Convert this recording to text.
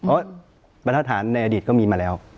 โอ๊ะประธาฐานในอดีตก็มีมาแล้ว